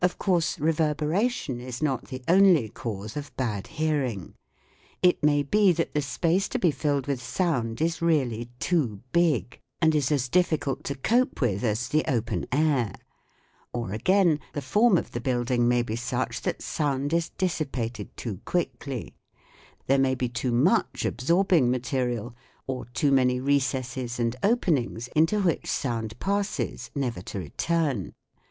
Of course, reverberation is not the only cause of bad hearing. It may be that the space to be filled with sound is really too big, and is as difficult 1 Journal of the Franklin Institute, January 1915. SOUNDS OF THE TOWN 83 to cope with as the open air. Or again, the form of the building may be such that sound is dissipated too quickly : there may be too much absorbing material, or too many recesses and openings into which sound passes never to return.